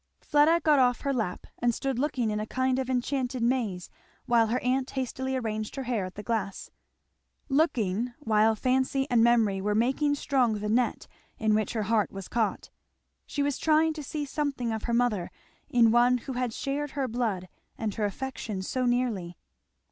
Fleda got off her lap, and stood looking in a kind of enchanted maze, while her aunt hastily arranged her hair at the glass. Looking, while fancy and memory were making strong the net in which her heart was caught. She was trying to see something of her mother in one who had shared her blood and her affection so nearly.